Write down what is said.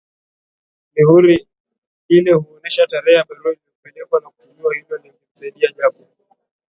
Mihuri ile huonesha tarehe ya barua iliyopokelewa na kutumwa hilo lingemsaidia Jacob